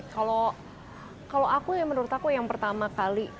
kalau aku ya menurut aku yang pertama kali